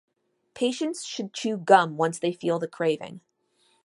Patients should chew gum once they feel the craving.